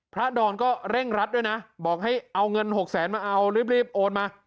ดอนก็เร่งรัดด้วยนะบอกให้เอาเงินหกแสนมาเอารีบโอนมา